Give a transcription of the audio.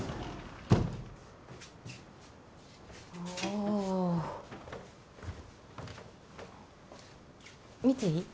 おお見ていい？